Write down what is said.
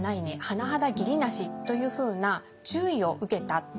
「はなはだ義理無し」というふうな注意を受けた。